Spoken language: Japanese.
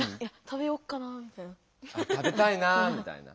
「食べよっかな」みたいな。